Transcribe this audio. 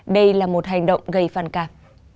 đây là một hành động gây phản cảm